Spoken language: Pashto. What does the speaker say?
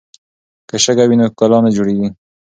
که شګه وي نو کلا نه جوړیږي.